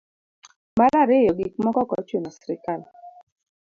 mar ariyo gik moko ok ochuno srikal